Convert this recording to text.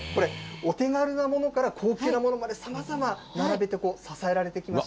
これ、お手軽なものから高級なものまで、さまざま並べて、支えられてきました。